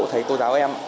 thầy cô giáo em